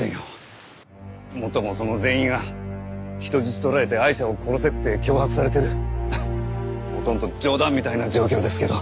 もっともその全員が人質取られてアイシャを殺せって脅迫されてるほとんど冗談みたいな状況ですけど。